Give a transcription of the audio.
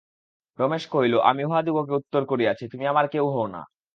রমেশ কহিল, আমি উহাদিগকে উত্তর করিয়াছি, তুমি আমার কেউ হও না।